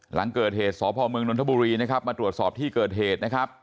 หลังเกิดเหตุสพมนทบุรีนะครับมาตรวจสอบที่เกิดเหตุนะครับ